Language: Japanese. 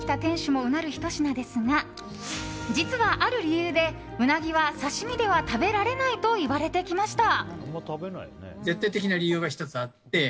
もうなるひと品ですが実はある理由でうなぎは刺身では食べられないといわれてきました。